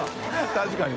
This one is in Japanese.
確かに。